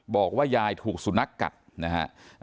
บอกว่ายายถูกสุนัขกัดนะฮะ